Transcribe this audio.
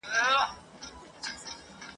چي پر پامیر مي خپل بیرغ بیا رپېدلی نه دی !.